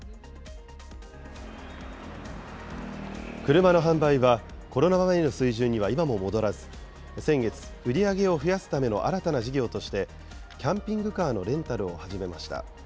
車の販売は、コロナ前の水準には今も戻らず、先月、売り上げを増やすための新たな事業として、キャンピングカーのレンタルを始めました。